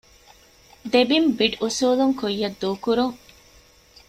ދެ ބިން ބިޑް އުސޫލުން ކުއްޔަށް ދޫކުރުން